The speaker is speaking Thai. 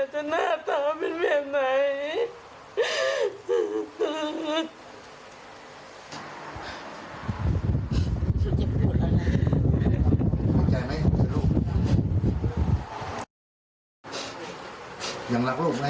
อาจจะหน้าตาเป็นเหมือนไหน